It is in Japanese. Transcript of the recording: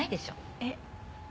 えっ。